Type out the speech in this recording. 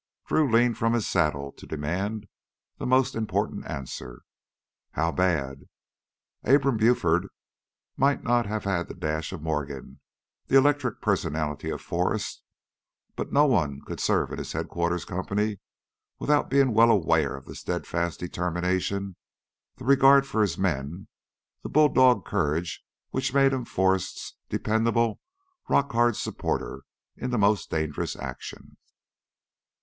Drew leaned from his saddle to demand the most important answer. "How bad?" Abram Buford might not have had the dash of Morgan, the electric personality of Forrest, but no one could serve in his headquarters company without being well aware of the steadfast determination, the regard for his men, the bulldog courage which made him Forrest's dependable, rock hard supporter in the most dangerous action.